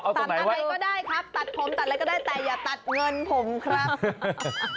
เอาตรงไหนวะตัดอะไรก็ได้ครับตัดผมตัดอะไรก็ได้แต่อย่าตัดเงินผมครับ